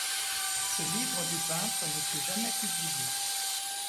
Ce Livre du peintre ne fut jamais publié.